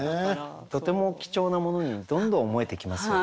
とても貴重なものにどんどん思えてきますよね。